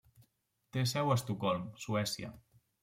Té seu a Estocolm, Suècia.